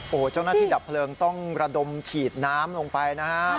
โอ้โหเจ้าหน้าที่ดับเพลิงต้องระดมฉีดน้ำลงไปนะฮะ